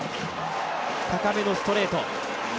高めのストレート。